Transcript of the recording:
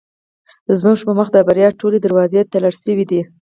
زموږ په مخ د بریا ټولې دروازې تړل شوې دي.